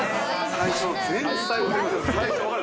最初、前菜、分かる？